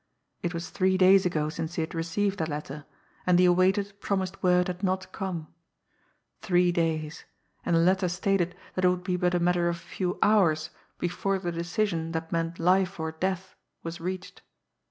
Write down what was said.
It was three days ago since he had received that letter, and the awaited, promised word had not come three days, and the letter stated that it would be but a matter of a few hours before the decision that meant life or death was reached.